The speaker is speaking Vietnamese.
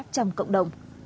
trong cộng đồng